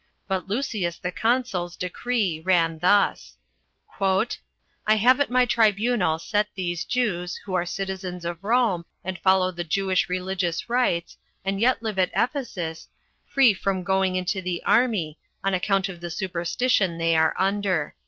But Lucius the consul's decree ran thus: "I have at my tribunal set these Jews, who are citizens of Rome, and follow the Jewish religious rites, and yet live at Ephesus, free from going into the army, on account of the superstition they are under.